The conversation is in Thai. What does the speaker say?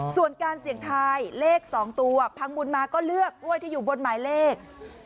ส่วนการเสี่ยงทายเลข๒ตัวพังบุญมาก็เลือกกล้วยที่อยู่บนหมายเลข